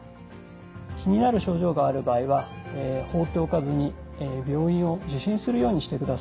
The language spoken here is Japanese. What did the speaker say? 気になる症状がある場合は放っておかずに病院を受診するようにしてください。